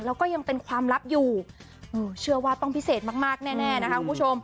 แล้วก็ยังเป็นความลับอยู่เชื่อว่าต้องพิเศษมากมากแน่นะคะคุณผู้ชม